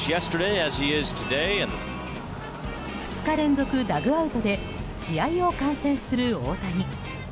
２日連続、ダッグアウトで試合を観戦する大谷。